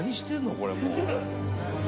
これもう」